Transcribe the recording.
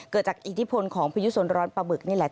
เกิดจากอิทธิพลของพายุส่วนร้อนปลาบึกนี่แหละ